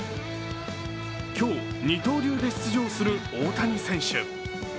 今日、二刀流で出場する大谷選手。